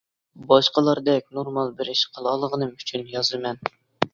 باشقىلاردەك نورمال بىر ئىش قىلالمىغىنىم ئۈچۈن يازىمەن.